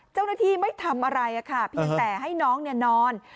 เจ้าหน้าที่ไม่ทำอะไรค่ะเพียงแต่ให้น้องนอน